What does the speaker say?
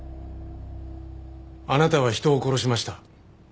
あなたは人を殺しました。